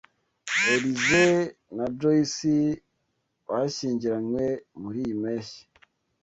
Elyse na Joyce bashyingiranywe muriyi mpeshyi.